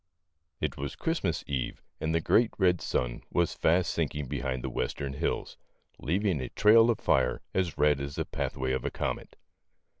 It was Christmas eve and the great red sun was fast sinking behind the western hills, leaving a trail of fire as red as the pathway of a comet.